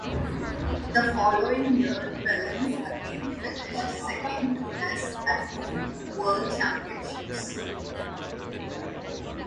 The following year Wellens again finished second to Nys at the World Championships.